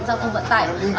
và các bản tin tiếp theo